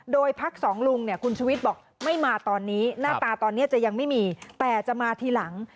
โดยพักสองลุงเนี่ยคุณชุวิตบอกไม่มาตอนนี้หน้าตาตอนนี้จะยังไม่มีแต่จะมาทีหลัง